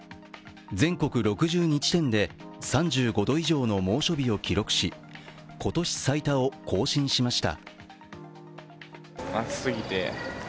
全国６２地点で３５度以上の猛暑日を記録し今年最多を更新しました。